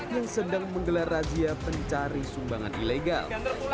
yang sedang menggelar razia pencari sumbangan ilegal